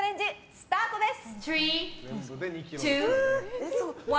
スタートです！